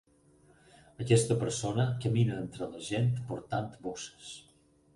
Aquesta persona camina entre la gent portant bosses.